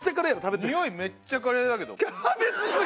においめっちゃカレーだけど。